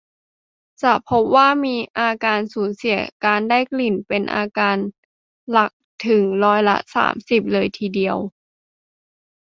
จะพบว่ามีอาการสูญเสียการได้กลิ่นเป็นอาการหลักถึงร้อยละ สามสิบ เลยทีเดียว